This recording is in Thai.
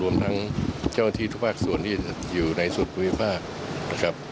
รวมทั้งเจ้าที่ทุกภาคส่วนที่อยู่ในสูตรภูมิภาค